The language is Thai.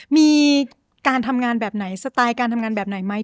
มีการทำงานแบบไหนสไตล์การทำงานแบบไหนไหม